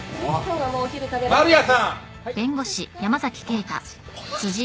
はい。